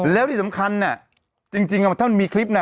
อ๋อแล้วที่สำคัญน่ะจริงจริงว่าถ้ามีคลิปน่ะ